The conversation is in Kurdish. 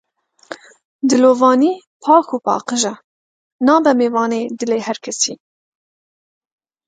Dilovanî pak û paqij e, nabe mêvanê dilê her kesî.